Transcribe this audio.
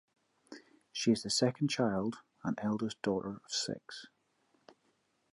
She is the second child and eldest daughter of six.